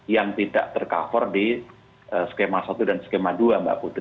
yang tidak tercover di skema satu dan skema dua mbak putri